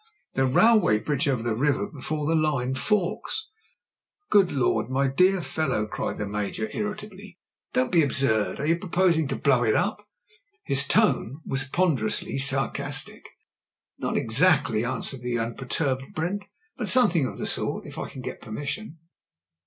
"The railway bridge over the river before the line forks." "Good Lordl My good fellow," cried the Major, JIM BRENTS V.C 129 irritably, "don't be absurd. Are you proposing to blow it up?" His tone was ponderously sarcastic. "Not exactly," answered the unperturbed Brent, *T)ut something of the sort — ^if I can get permission."